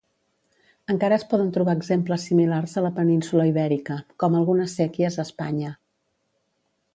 Encara es poden trobar exemples similars a la península Ibèrica, com algunes séquies a Espanya.